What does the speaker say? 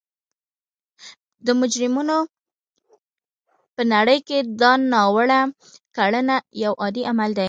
د مجرمینو په نړۍ کې دا ناوړه کړنه یو عادي عمل دی